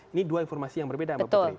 ini dua informasi yang berbeda mbak putri